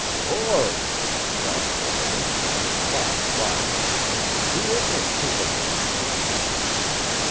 "Lord!" cried Thornly, and laughed loudly; "who is this pimpernel?"